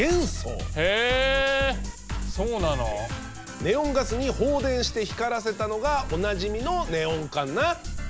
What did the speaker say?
ネオンガスに放電して光らせたのがおなじみのネオン管な。